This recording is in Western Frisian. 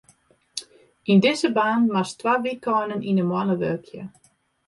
Yn dizze baan moatst twa wykeinen yn 'e moanne wurkje.